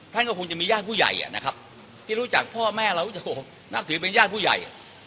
ท่านก็คงจะมีญาติผู้ใหญ่นะครับที่รู้จักพ่อแม่เรานับถือเป็นญาติผู้ใหญ่